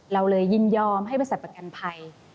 เราเลยยินยอมให้บริษัทประกันภัย